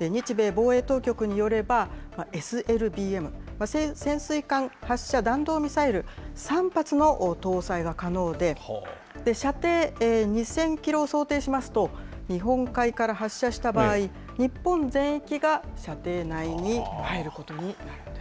日米防衛当局によれば、ＳＬＢＭ・潜水艦発射弾道ミサイル３発の搭載が可能で、射程２０００キロを想定しますと、日本海から発射した場合、日本全域が射程内に入ることになります。